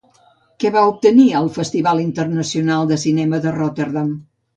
Què va obtenir al Festival Internacional de Cinema de Rotterdam?